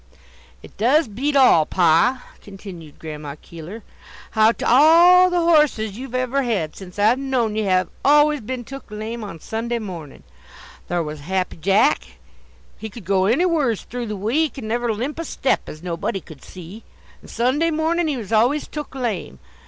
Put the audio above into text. "It does beat all, pa," continued Grandma Keeler, "how 't all the horses you've ever had since I've known ye have always been took lame Sunday mornin'. Thar' was 'Happy Jack,' he could go anywhers through the week, and never limp a step, as nobody could see, and Sunday mornin' he was always took lame!